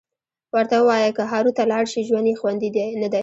ورته ووایه که هارو ته لاړ شي ژوند یې خوندي ندی